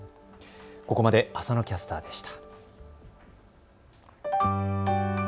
ここまで浅野キャスターでした。